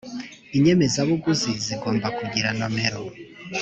inyemezabuguzi zigomba kugira nomero